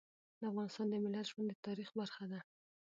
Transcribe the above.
د افغانستان د ملت ژوند د تاریخ برخه ده.